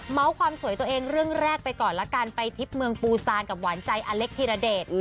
ความสวยตัวเองเรื่องแรกไปก่อนละกันไปทริปเมืองปูซานกับหวานใจอเล็กธิรเดช